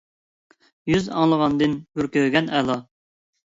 يۈز ئاڭلىغاندىن بىر كۆرگەن ئەلا.